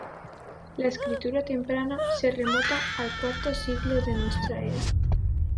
La escritura temprana se remota al cuarto siglo de nuestra era.